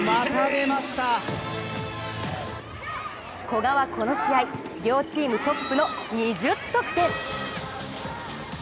古賀はこの試合、両チームトップの２０得点。